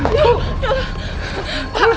ya allah ya allah